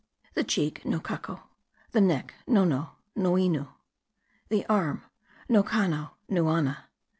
The cheek : Nocaco. The neck : Nono : Noinu. The arm : Nocano : Nuana.